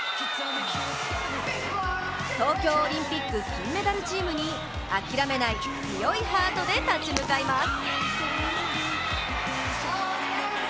東京オリンピック金メダルチームに諦めない強いハートで立ち向かいます。